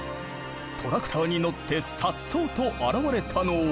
トラクターに乗ってさっそうと現れたのは。